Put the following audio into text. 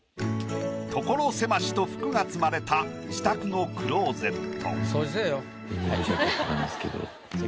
所狭しと服が積まれた自宅のクローゼット。